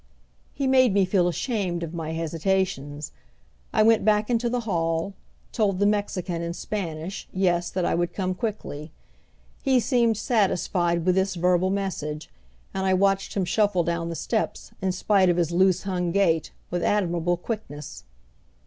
He made me feel ashamed of my hesitations. I went back into the hall, told the Mexican in Spanish, yes, that I would come quickly. He seemed satisfied with this verbal message, and I watched him shuffle down the steps, in spite of his loose hung gait, with admirable quickness.